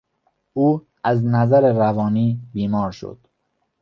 او از نظر روانی بیمار شد.